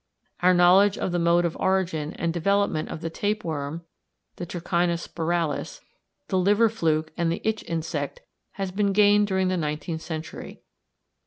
Our knowledge of the mode of origin and development of the tapeworm, the trichina spiralis, the liver fluke, and the itch insect has been gained during the nineteenth century.